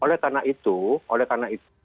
oleh karena itu oleh karena itu